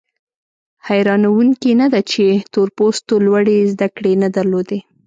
حیرانوونکي نه ده چې تور پوستو لوړې زده کړې نه درلودې.